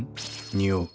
匂う。